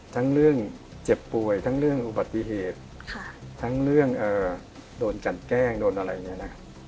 ทั้งเรื่องเจ็บป่วยทั้งเรื่องอุบัติเหตุทั้งเรื่องโดนกันแกล้งโดนอะไรอย่างนี้นะ